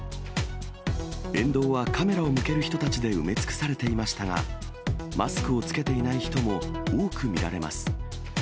沿道はカメラを向ける人たちで埋め尽くされていましたが、マスクを着けていない人も多く見られます。